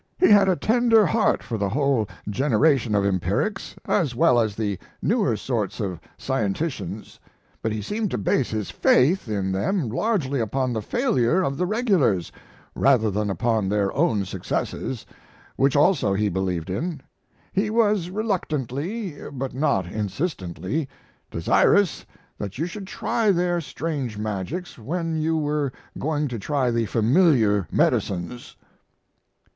He had a tender heart for the whole generation of empirics, as well as the newer sorts of scienticians, but he seemed to base his faith in them largely upon the failure of the regulars, rather than upon their own successes, which also he believed in. He was recurrently, but not insistently, desirous that you should try their strange magics when you were going to try the familiar medicines.